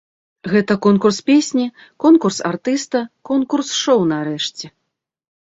Гэта конкурс песні, конкурс артыста, конкурс шоу, нарэшце.